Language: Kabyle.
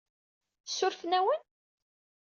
Surfen-awen?